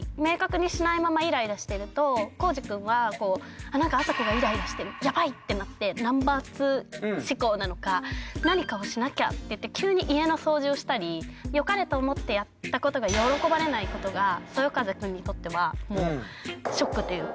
皓史くんはなんか朝紗子がイライラしてるやばいってなってナンバー２思考なのか何かをしなきゃっていって急に家の掃除をしたりよかれと思ってやったことが喜ばれないことがそよ風くんにとってはショックというか。